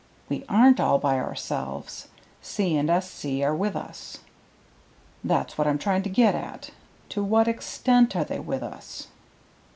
"We aren't all by ourselves. C. & S.C. are with us." "That's what I'm trying to get at. To what extent are they with us?"